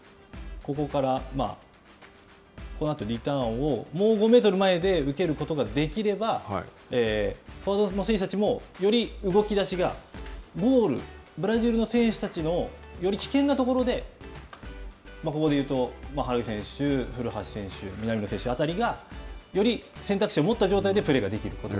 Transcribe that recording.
ここから、このあとリターンをもう５メートル前で受けることができれば、フォワードの選手たちもより動き出しが、ゴール、ブラジルの選手たちのより危険なところでここで言うと、原口選手、古橋選手、南野選手辺りがより選択肢を持った状態でプレーができる。